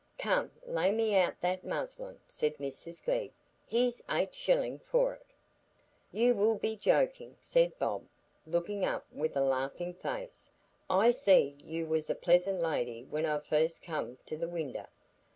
"Come, lay me out that muslin," said Mrs Glegg. "Here's eight shilling for it." "You will be jokin'," said Bob, looking up with a laughing face; "I see'd you was a pleasant lady when I fust come to the winder."